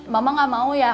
mama nggak mau ya